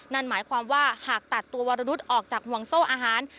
นั่นหมายความว่าหากตัดตัววรนุษย์ออกจากห่วงโซ่อาหาร